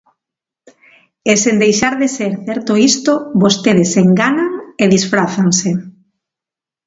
E sen deixar de ser certo isto, vostedes enganan e disfrázanse.